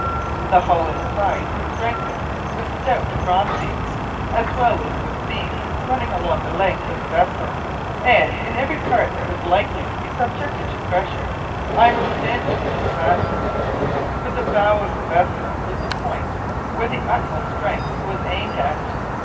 The hull inside was strengthened with stout cross beams, as well as with beams running along the length of the vessel, and in every part that was likely to be subjected to pressure iron stanchions were fastened. But the bow of the vessel was the point where the utmost strength was aimed at.